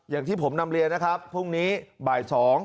อย่างที่ผมนำเรียนนะครับพรุ่งนี้บ่าย๒